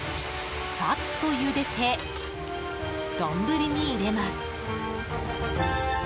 さっとゆでて丼に入れます。